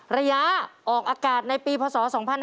ระยะออกอากาศในปีพศ๒๕๕๙